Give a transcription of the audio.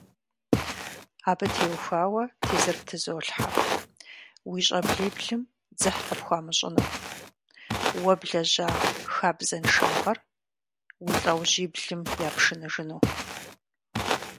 Абы теухуауэ тезыр птызолъхьэ: уи щӀэблиблым дзыхь къыхуамыщӏыну, уэ блэжьа хабзэншагъэр уи лъэужьиблым япшыныжыну.